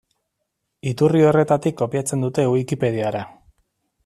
Iturri horretatik kopiatzen dute Wikipediara.